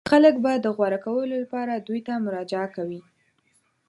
خلک به د غوره کولو لپاره دوی ته مراجعه کوي.